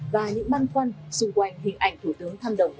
và những băn khoăn xung quanh hình ảnh thủ tướng thăm đồng